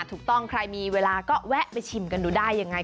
ถูกต้องใครมีเวลาก็แวะไปชิมกันดูได้ยังไง